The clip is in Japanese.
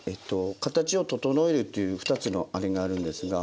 形を整えるっていう２つのあれがあるんですが。